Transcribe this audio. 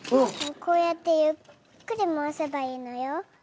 こうやってゆっくり回せばいのよ。